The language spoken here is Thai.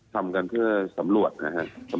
ทำกันเพื่อสำรวจนะครับ